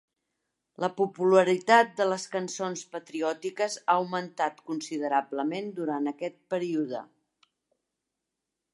La popularitat de les cançons patriòtiques ha augmentat considerablement durant aquest període.